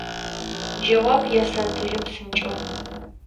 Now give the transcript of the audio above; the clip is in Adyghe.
Джэуап ясэтыжьы псынкӏэу…